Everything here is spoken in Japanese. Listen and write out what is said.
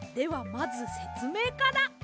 まずせつめいから。